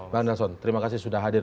bang nelson terima kasih sudah hadir